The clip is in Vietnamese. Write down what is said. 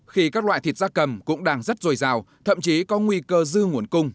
khi các loại thịt gia cầm cũng đang rất dồi dào thậm chí có nguy cơ dư nguồn cung